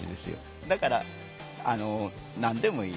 だから何でもいい。